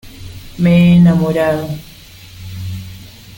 me he enamorado.